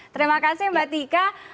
terima kasih mbak tika